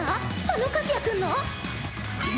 あの和也君の？